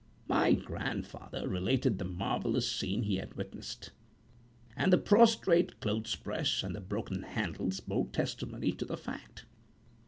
My grandfather related the marvellous scene he had witnessed, and the prostrate clothes press, and the broken handles, bore testimony to the fact.